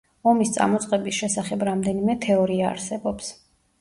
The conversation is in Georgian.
ომის წამოწყების შესახებ რამდენიმე თეორია არსებობს.